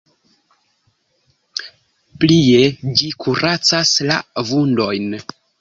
Plie ĝi kuracas la vundojn.